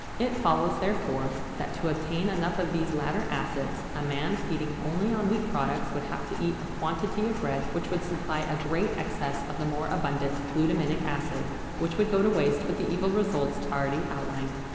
It follows, therefore, that to obtain enough of these latter acids a man feeding only on wheat products would have to eat a quantity of bread which would supply a great excess of the more abundant glutaminic acid, which would go to waste with the evil results already outlined.